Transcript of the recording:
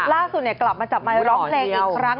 ล่าสุดเนี่ยกลับมาจับมายร้องเพลงอีกครั้ง